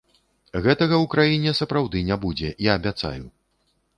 Гэтага ў краіне сапраўды не будзе, я абяцаю.